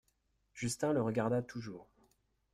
Justin le regarda toujours.